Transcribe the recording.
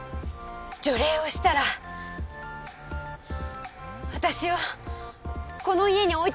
除霊をしたら私をこの家に置いてくれる？